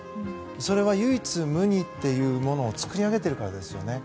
それは唯一無二というものを作り上げているからです。